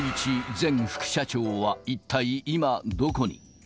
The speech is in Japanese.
前副社長は一体今、どこに。